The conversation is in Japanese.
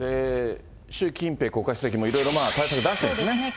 習近平国家主席もいろいろ対策出してるんですね。